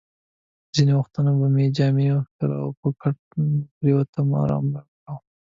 ځینې وختونه به مې جامې وکښلې او په کټ کې پرېوتم، ارام مې کاوه.